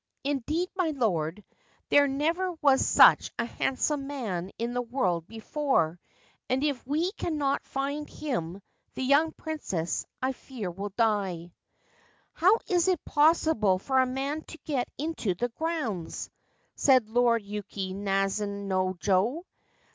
Indeed, my lord, there never was such a handsome man in the world before, and if we cannot find him the young Princess, I fear, will die/ ' How is it possible for a man to get into the grounds ?' said Lord Yuki Naizen no jo.